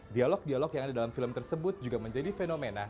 dialog dialog yang ada dalam film tersebut juga menjadi fenomena